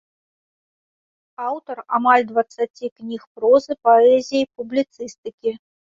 Аўтар амаль дваццаці кніг прозы, паэзіі і публіцыстыкі.